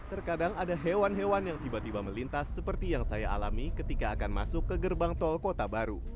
terkadang ada hewan hewan yang tiba tiba melintas seperti yang saya alami ketika akan masuk ke gerbang tol kota baru